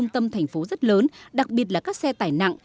tâm thành phố rất lớn đặc biệt là các xe tải nặng